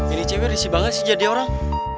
ini cewek risih banget sih jadi orang